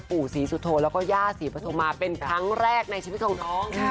ปู่ศรีสุโธแล้วก็ย่าศรีปฐุมาเป็นครั้งแรกในชีวิตของน้อง